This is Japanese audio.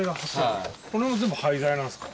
これも全部廃材なんですか？